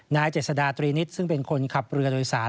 นายเจษฎาตรีนิดซึ่งเป็นคนขับเรือโดยสาร